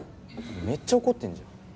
めっちゃ怒ってんじゃん。